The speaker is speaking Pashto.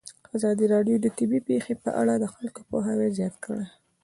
ازادي راډیو د طبیعي پېښې په اړه د خلکو پوهاوی زیات کړی.